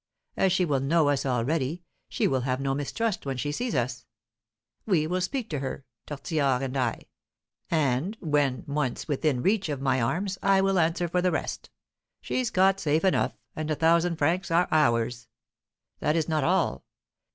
As she will know us already, she will have no mistrust when she sees us. We will speak to her, Tortillard and I; and, when once within reach of my arms, I will answer for the rest. She's caught safe enough, and the thousand francs are ours. That is not all.